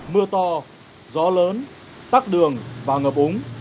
mưa to gió lớn tắc đường và ngập úng